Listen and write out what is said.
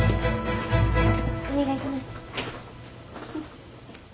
お願いします。